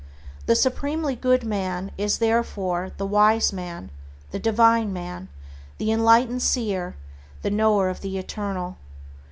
The supremely good man is, therefore, the wise man, the divine man, the enlightened seer, the knower of the Eternal.